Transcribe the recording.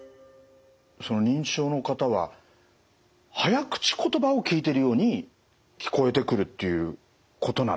認知症の方は早口言葉を聞いてるように聞こえてくるっていうことなんですね？